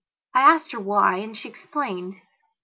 I asked her why and she explained.